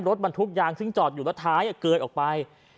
รถบรรทุกยางซึ่งจอดอยู่แล้วท้ายเกยออกไป